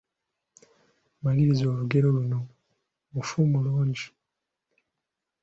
Maliriza olugero luno, Mufu mulungi …